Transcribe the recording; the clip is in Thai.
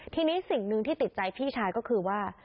ทีนี้สิ่งหนึ่งที่ติดใจพี่ชายก็คือว่า